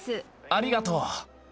ありがとう。